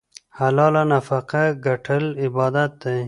حلاله نفقه ګټل عبادت دی.